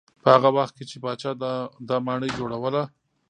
په هغه وخت کې چې پاچا دا ماڼۍ جوړوله.